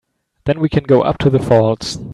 Then we can go up to the falls.